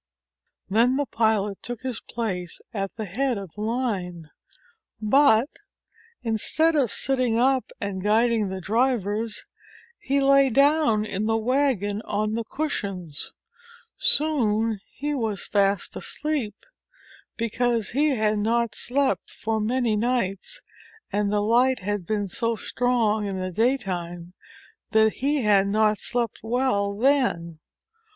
Then the pilot took his place at the head of the line. But, instead of sitting up and guiding the drivers, he lay down in the wagon on the cushions. Soon he was fast asleep, because he had not slept for many nights, and the light had been so strong in the day time that he had not slept well then.